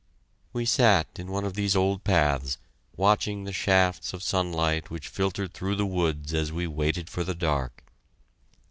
We sat in one of these old paths, watching the shafts of sunlight which filtered through the woods as we waited for the dark.